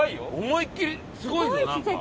思いっきりすごいねなんか。